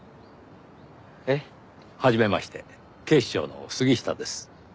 えっ？はじめまして警視庁の杉下です。